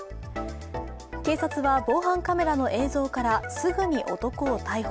警察は防犯カメラの映像からすぐに男を逮捕。